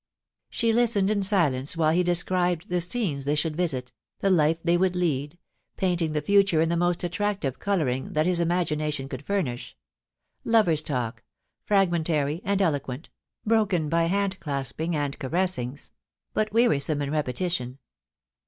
* She listened in silence while he described the scenes they should visit, the Jife they would lead, painting the future in the most attractive colouring that his imagination could furnish — lover's talk, fragmentary and eloquent, broken by hand clasping and caressings — ^but wearisome in repetition.